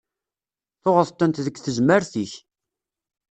Tuɣeḍ-tent deg tezmert-ik.